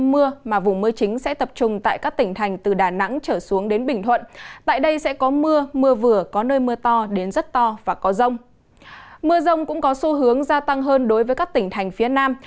mưa rông cũng có xu hướng gia tăng hơn đối với các tỉnh thành phía nam